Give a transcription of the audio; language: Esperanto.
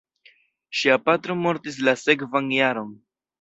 Ŝia patro mortis la sekvan jaron.